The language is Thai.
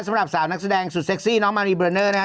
สำหรับสาวนักแสดงสุดเซ็กซี่น้องมารีเบลอเนอร์นะฮะ